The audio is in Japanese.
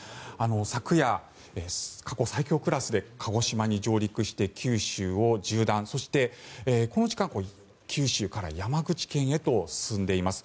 昨夜、過去最強クラスで鹿児島に上陸して九州を縦断そしてこの時間九州から山口県へと進んでいます。